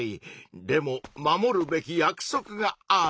でも守るべき約束がある。